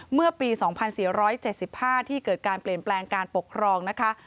เมื่อปี๒๔๗๕ที่เกิดการเปลี่ยนแปลงการปกครองนะคะ